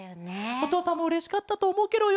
おとうさんもうれしかったとおもうケロよ。